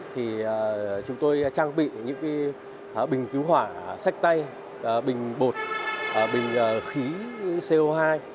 thì chúng tôi trang bị những bình cứu hỏa sách tay bình bột bình khí co hai